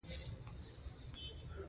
بربرو فرانسې زده کړې ته لېوالتیا لرله.